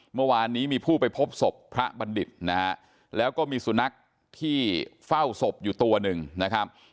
เมื่อวานนี้มีผู้ไปพบศพพระบัณฑิตนะฮะแล้วก็มีสุนัขที่เฝ้าศพอยู่ตัวหนึ่งนะครับ